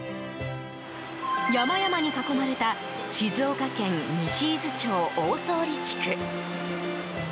山々に囲まれた静岡県西伊豆町大沢里地区。